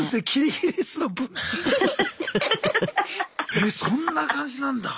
えっそんな感じなんだ。